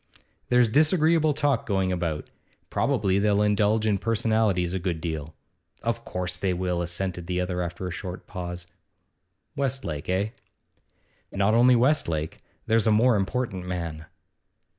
'There's disagreeable talk going about. Probably they'll indulge in personalities a good deal.' 'Of course they will,' assented the other after a short pause. 'Westlake, eh?' 'Not only Westlake. There's a more important man.